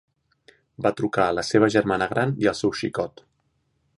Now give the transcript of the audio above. Va trucar la seva germana gran i el seu xicot.